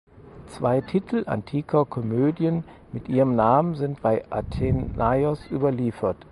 Zwei Titel antiker Komödien mit ihrem Namen sind bei Athenaios überliefert.